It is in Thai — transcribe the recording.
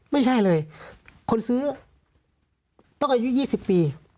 ไม่ใช่เลยคนซื้อต้องอายุ๒๐ปี